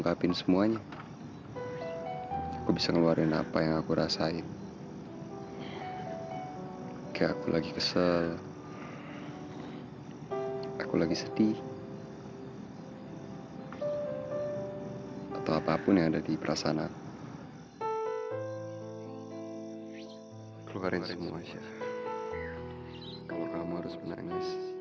kamu sebut diri kamu sebagai bagian dari diri kami